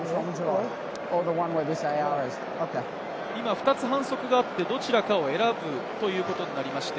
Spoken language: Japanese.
２つ反則があって、どちらかを選ぶということになりました。